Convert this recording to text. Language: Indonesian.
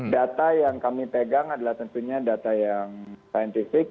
data yang kami pegang adalah tentunya data yang saintifik